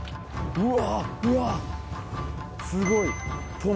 うわ。